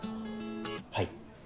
はい。